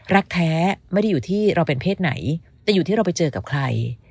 รักแท้ไม่ได้อยู่ที่เราเป็นเพศไหนแต่อยู่ที่เราไปเจอกับใคร